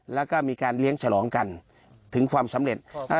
แล้วก็มีการเลี้ยงฉลองกันถึงความสำเร็จ